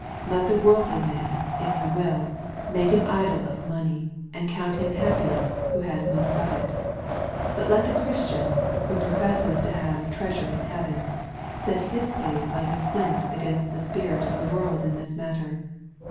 Let the worldly man, if he will, make an idol of money, and count him happiest who has most of it. But let the Christian, who professes to have " treasure in heaven," set his face like a flint against the spirit of the world in this matter.